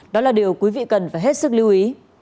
đó là điều quý vị cần phải hết sức lưu ý